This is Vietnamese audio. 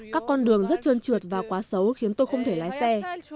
các con đường rất trơn trượt và quá xấu khiến tôi không thể lái xe